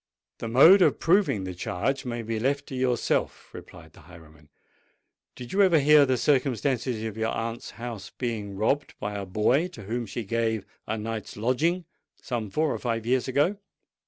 "The mode of proving the charge may be left to yourself," replied the highwayman. "Did you ever hear the circumstance of your aunt's house being robbed by a boy to whom she gave a night's lodging, some four or five years ago?"